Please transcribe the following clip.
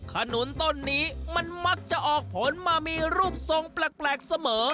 ขนุนต้นนี้มันมักจะออกผลมามีรูปทรงแปลกเสมอ